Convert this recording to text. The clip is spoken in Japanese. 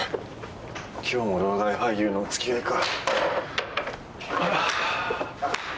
今日も老害俳優のお付き合いか。